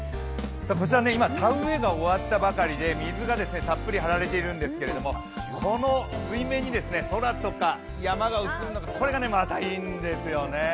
こちら今、田植えが終わったばかりで水がたっぷりはられているんですけれどもこの水面に空とか山が写るのがこれがまたいいんですよね。